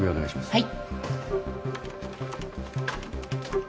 ・はい。